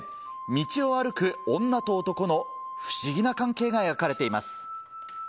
道を歩く女と男の不思議な関係が描かれています。